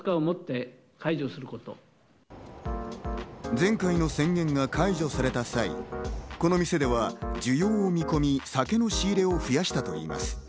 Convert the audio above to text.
前回の宣言が解除された際、この店では需要を見込み、酒の仕入れを増やしたといいます。